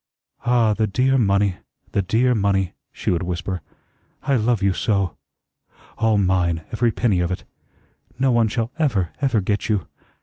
"Ah, the dear money, the dear money," she would whisper. "I love you so! All mine, every penny of it. No one shall ever, ever get you.